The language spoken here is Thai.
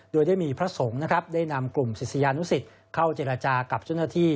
โดยได้มีพระสงฆ์นะครับได้นำกลุ่มศิษยานุสิตเข้าเจรจากับเจ้าหน้าที่